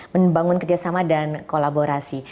menembangun kerjasama dan kolaborasi